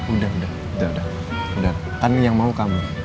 udah kan yang mau kamu